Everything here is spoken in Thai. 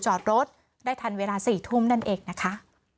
จอดรถได้ทันเวลา๔ทุ่มนั่นเองนะคะ